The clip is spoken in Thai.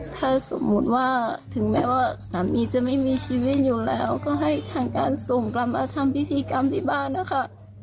ถ้าสมมุติว่าถึงแม้ว่าสามีจะไม่มีชีวิตอยู่แล้วก็ให้ทางการส่งกลับมาทำพิธีกรรมที่บ้านนะคะ